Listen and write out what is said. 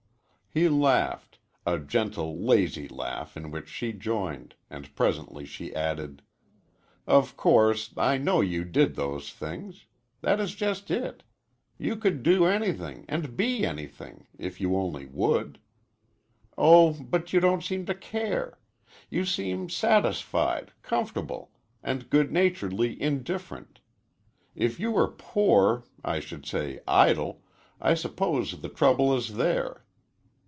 He laughed a gentle, lazy laugh in which she joined and presently she added: "Of course, I know you did those things. That is just it. You could do anything, and be anything, if you only would. Oh, but you don't seem to care! You seem satisfied, comfortable and good naturedly indifferent; if you were poor, I should say idle I suppose the trouble is there.